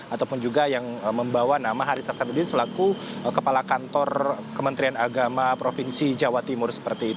ataupun juga yang membawa nama haris hasanuddin selaku kepala kantor kementerian agama provinsi jawa timur